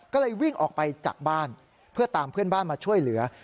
ก็เลยวิ่งออกไปจากบ้านเพื่อตามเพื่อนบ้านมาช่วยเหลือ